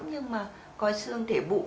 nhưng mà coi xương thể bụ